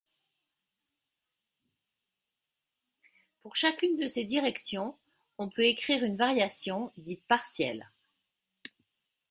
Pour chacune de ces directions, on peut écrire une variation, dite partielle.